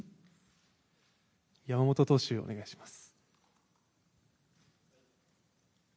山本投手、お願いします。